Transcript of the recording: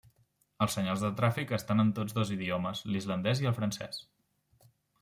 Els senyals de tràfic estan en tots dos idiomes: l'islandès i el francès.